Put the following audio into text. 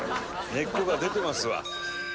根っこが出てますわ」